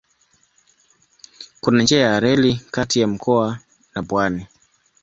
Kuna njia ya reli kati ya mkoa na pwani.